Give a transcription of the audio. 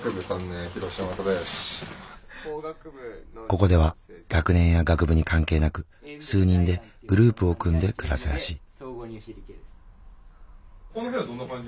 ここでは学年や学部に関係なく数人でグループを組んで暮らすらしい。